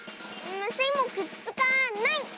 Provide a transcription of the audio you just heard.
スイもくっつかない！